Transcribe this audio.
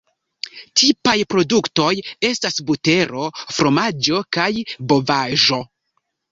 Tipaj produktoj estas butero, fromaĝo kaj bovaĵo.